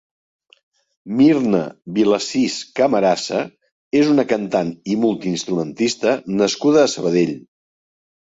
Mirna Vilasís Camarasa és una cantant i multiinstrumentista nascuda a Sabadell.